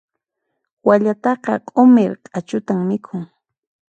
Wallataqa q'umir q'achuta mikhun.